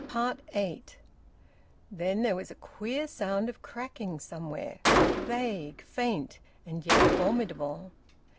EIGHT. Then there was a queer sound of cracking somewhere, vague, faint, and yet formidable.